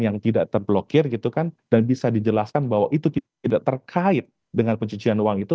yang tidak terblokir gitu kan dan bisa dijelaskan bahwa itu tidak terkait dengan pencucian uang itu